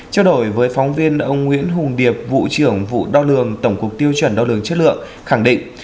trao đổi với phóng viên ông nguyễn hùng điệp vụ trưởng vụ đo lường tổng cục tiêu chuẩn đo lường chất lượng khẳng định